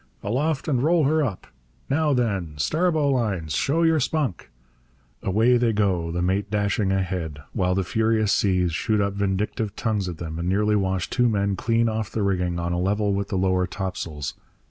'Aloft and roll her up! Now then, starbowlines, show your spunk!' Away they go, the mate dashing ahead; while the furious seas shoot up vindictive tongues at them and nearly wash two men clean off the rigging on a level with the lower topsails.